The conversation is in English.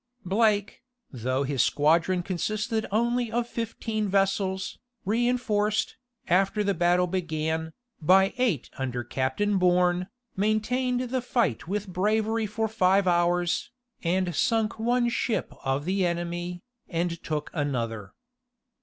Blake, though his squadron consisted only of fifteen vessels, reënforced, after the battle began, by eight under Captain Bourne, maintained the fight with bravery for five hours, and sunk one ship of the enemy, and took another.